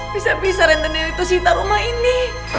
bisa bisa rentenir itu sekitar rumah ini